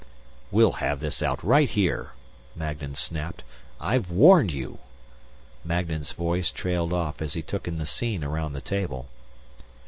"We'll have this out right here," Magnan snapped. "I've warned you!" Magnan's voice trailed off as he took in the scene around the table.